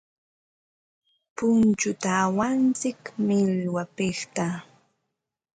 Punchuta awantsik millwapiqta.